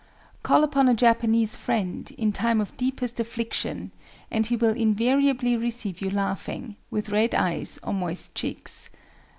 Call upon a Japanese friend in time of deepest affliction and he will invariably receive you laughing, with red eyes or moist cheeks.